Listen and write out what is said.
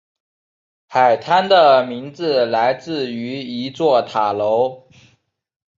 海滩的名字来自于一座塔楼。